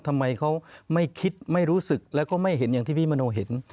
ทำไมเขาไม่คิดไม่รู้สึกแล้วก็ไม่เห็นอย่างที่พี่มโนเห็น